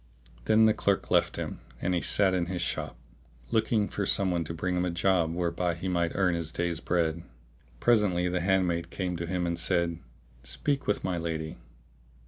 Then the clerk left him and he sat in his shop, looking for some one to bring him a job whereby he might earn his day's bread. Presently the handmaid came to him and said, "Speak with my lady."